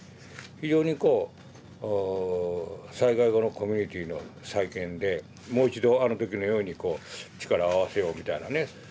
非常にこう災害後のコミュニティーの再建でもう一度あの時のようにこう力を合わせようみたいなね。